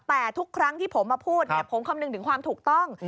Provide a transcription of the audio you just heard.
แต่ทุกครั้งที่ผมมาพูดผมคำนึงถึงความถูกต้อง